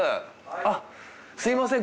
あっすみません